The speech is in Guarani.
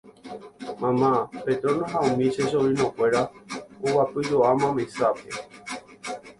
mamá, Petrona ha umi che sobrinokuéra oguapyjoáma mesápe